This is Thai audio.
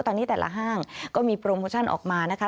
ตอนนี้แต่ละห้างก็มีโปรโมชั่นออกมานะคะ